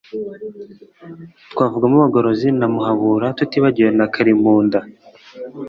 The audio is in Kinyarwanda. twavugamo bagorozi na muhabura tutibagiwe na kalimunda